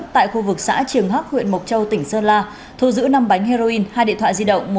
tại khu vực xã triềng hắc huyện mộc châu tỉnh sơn la thu giữ năm bánh heroin hai điện thoại di động